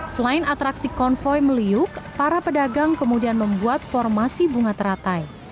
selain atraksi konvoy meliuk para pedagang kemudian membuat formasi bunga teratai